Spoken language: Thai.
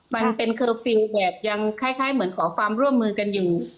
มันเป็นเคอร์ฟิลล์แบบยังคล้ายเหมือนขอความร่วมมือกันอยู่